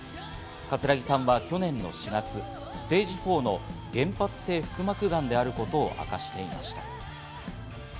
葛城さんは去年の４月、ステージ４の原発性腹膜がんであることを明かしていました。